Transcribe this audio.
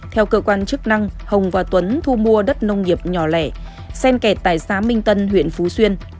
theo cơ quan chức năng hồng và tuấn thu mua đất nông nghiệp nhỏ lẻ sen kẹt tại xã minh tân huyện phú xuyên